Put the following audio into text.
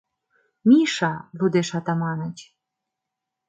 — «Миша! — лудеш Атаманыч.